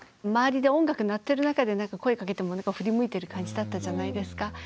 周りで音楽鳴ってる中で声かけても振り向いてる感じだったじゃないですか。